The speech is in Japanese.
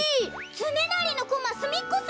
つねなりのコマすみっこすぎる！